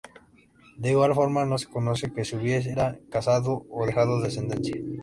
De igual forma no se conoce que se hubiera casado o dejado descendencia.